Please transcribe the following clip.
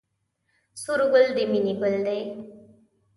سور ګل د مینې ګل دی